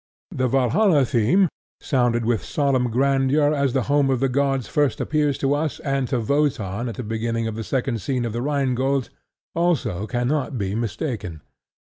The Valhalla theme, sounded with solemn grandeur as the home of the gods first appears to us and to Wotan at the beginning of the second scene of The Rhine Gold, also cannot be mistaken.